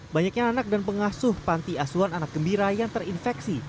banyaknya anak dan pengasuh panti asuhan anak gembira yang terinfeksi